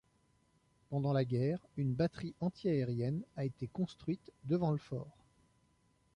Pendant la guerre, une batterie anti-aérienne a été construite devant le fort.